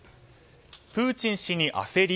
プーチン氏に焦り？